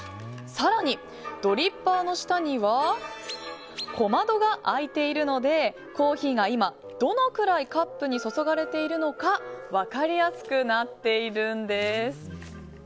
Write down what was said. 更に、ドリッパーの下には小窓が開いているのでコーヒーが今どのくらいカップに注がれているのか分かりやすくなっているんです。